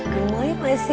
gemoying masih ya